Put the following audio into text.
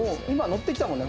ッてきたもんね